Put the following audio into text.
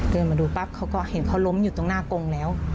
เดินมาดูปั๊บเขาก็เห็นเขาล้มอยู่ตรงหน้ากงแล้ว